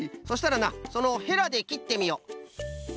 そしたらなそのヘラできってみよ！